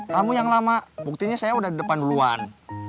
kamu yang lama buktinya saya udah di depan duluan